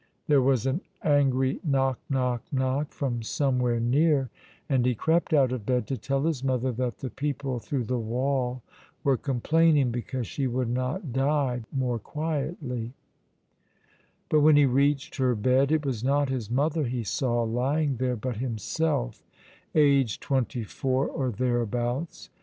There was an angry knock, knock, knock, from somewhere near, and he crept out of bed to tell his mother that the people through the wall were complaining because she would not die more quietly; but when he reached her bed it was not his mother he saw lying there, but himself, aged twenty four or thereabouts.